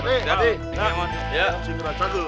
sampai jumpa di keranjang dong